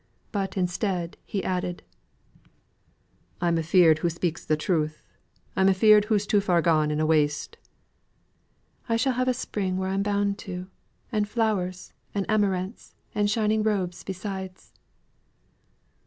But instead, he added "I'm afeared hoo speaks the truth. I'm afeared hoo's too far gone in a waste." "I shall have a spring where I am boun' to, and flowers, and amaranths, and shining robes besides."